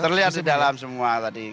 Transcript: terlihat di dalam semua tadi